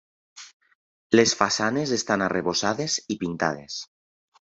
Les façanes estan arrebossades i pintades.